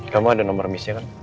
kamu ada nomor miss nya kan